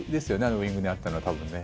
ウイングにあったの多分ね。